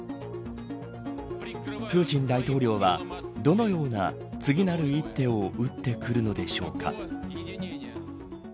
プーチン大統領は、どのような次なる一手を打ってくるのでしょうか。